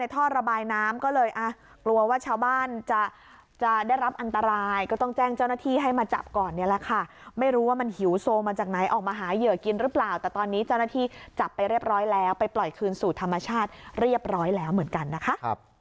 แต่ตอนนี้เจ้าหน้าที่จับไปเรียบร้อยแล้วไปปล่อยคืนสูตรธรรมชาติเรียบร้อยแล้วเหมือนกันนะคะ